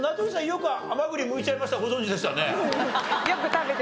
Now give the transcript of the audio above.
よく甘栗むいちゃいましたご存じでしたね？